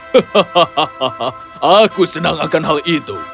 hahaha aku senang akan hal itu